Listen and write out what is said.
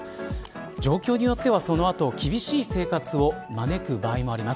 状況によってはその後、厳しい生活を招く場合もあります。